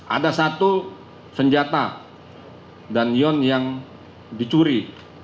ada satu senjata dan yon yang dicuri